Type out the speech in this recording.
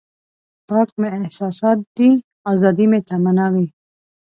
پاک مې احساسات دي ازادي مې تمنا وي.